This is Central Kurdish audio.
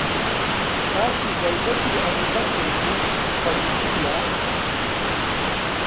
باسی غەیبەتی ئەبووبەکر بوو کە گوتوویە: